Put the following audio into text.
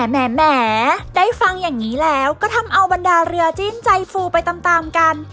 แหมได้ฟังอย่างนี้แล้วก็ทำเอาบรรดาเรือจิ้นใจฟูไปตามกัน